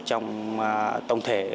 trong tổng thể